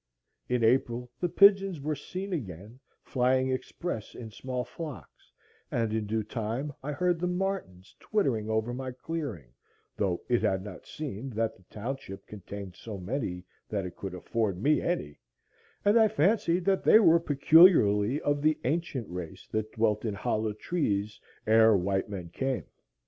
In April the pigeons were seen again flying express in small flocks, and in due time I heard the martins twittering over my clearing, though it had not seemed that the township contained so many that it could afford me any, and I fancied that they were peculiarly of the ancient race that dwelt in hollow trees ere white men came.